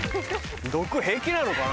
毒平気なのかな？